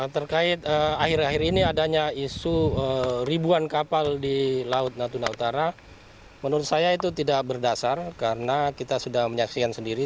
terkait akhir akhir ini adanya isu ribuan kapal di laut natuna utara menurut saya itu tidak berdasar karena kita sudah menyaksikan sendiri